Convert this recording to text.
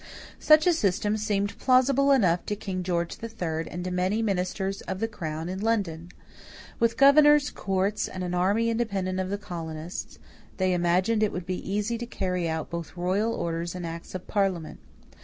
Such a system seemed plausible enough to King George III and to many ministers of the crown in London. With governors, courts, and an army independent of the colonists, they imagined it would be easy to carry out both royal orders and acts of Parliament.